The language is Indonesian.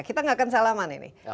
kita nggak akan salaman ini